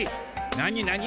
なになに？